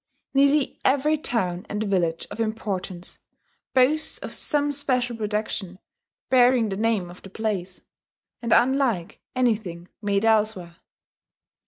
Nearly every town and village of importance boasts of some special production, bearing the name of the place, and unlike anything made elsewhere....